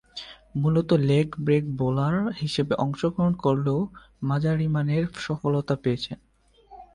মূলতঃ leg break bowler হিসেবে অংশগ্রহণ করলেও মাঝারিমানের সফলতা পেয়েছেন।